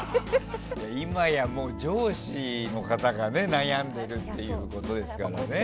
今や、上司の方が悩んでいるということですけどもね。